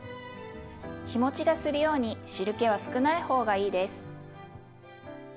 日もちがするように汁けは少ない方がいいです。